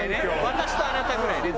私とあなたぐらいね